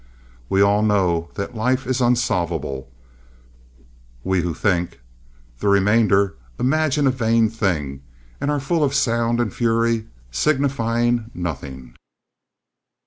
We all know that life is unsolvable—we who think. The remainder imagine a vain thing, and are full of sound and fury signifying nothing.